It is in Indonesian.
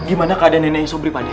gimana keadaan neneknya sobri pada